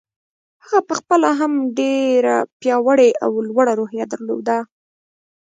هغه په خپله هم ډېره پياوړې او لوړه روحيه درلوده.